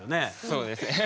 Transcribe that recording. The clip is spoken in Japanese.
そうです。